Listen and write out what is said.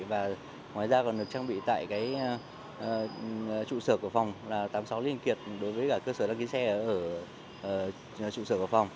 và ngoài ra còn được trang bị tại trụ sở của phòng là tám mươi sáu linh kiện đối với cả cơ sở đăng ký xe ở trụ sở của phòng